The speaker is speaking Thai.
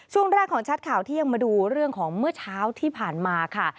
ช่วงแรกของชัดข่าวเที่ยงมาดูเรื่องของเมื่อเช้าที่ผ่านมาค่ะ